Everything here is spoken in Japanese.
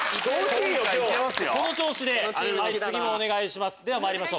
この調子で次もお願いしますではまいりましょう。